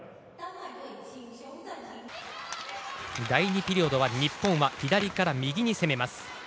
第２ピリオドは日本は左から右に攻めます。